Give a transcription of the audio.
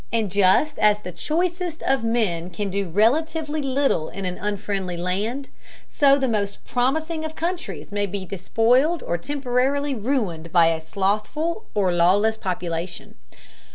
And just as the choicest of men can do relatively little in an unfriendly land, so the most promising of countries may be despoiled or temporarily ruined by a slothful or lawless population.